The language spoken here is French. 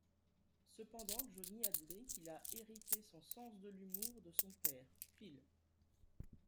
Cependant Johnny admet qu'il a hérité son sens de l'humour de son père, Phil.